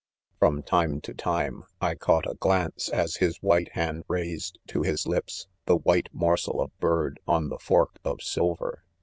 4 From time to time, I caught a glance, as Ms white ' hand raised to his lips, the. white THE CONFESSIONS, $$■ morsel of bird on the fork of silver.